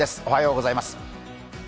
おはようございます。